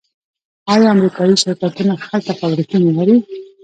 آیا امریکایی شرکتونه هلته فابریکې نلري؟